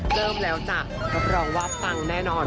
เริ่มแล้วจ้ะรับรองว่าปังแน่นอน